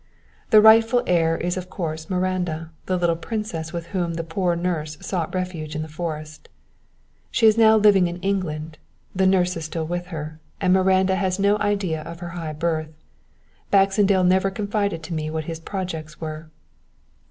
"The rightful heir is of course Miranda, the little princess with whom the poor nurse sought refuge in the forest. "She is now living in England, the nurse is still with her, and Miranda has no idea of her high birth. Baxendale never confided to me what his projects were."